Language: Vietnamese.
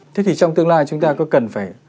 thế thì trong tương lai chúng ta có cần phải